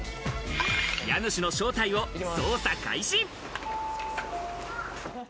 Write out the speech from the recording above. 家主の正体を捜査開始！